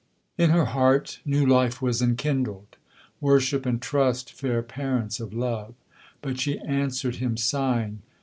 In her heart new life was enkindled, Worship and trust, fair parents of love: but she answered him sighing.